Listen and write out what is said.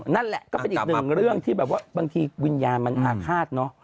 นั่นแหละก็เป็นอีกหนึ่งเรื่องที่แบบว่าบางทีวิญญาณมันอาฆาตเนอะ